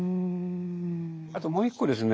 あともう一個ですね